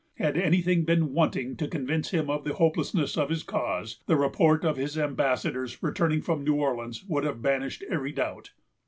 Had any thing been wanting to convince him of the hopelessness of his cause, the report of his ambassadors returning from New Orleans would have banished every doubt.